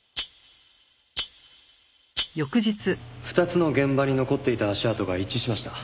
２つの現場に残っていた足跡が一致しました。